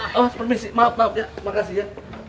permisi maaf maaf ya makasih ya